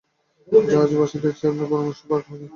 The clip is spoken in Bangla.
জাহাজের বাঁশিটার চেয়ে আপনার পরামর্শ পাকা হইবে।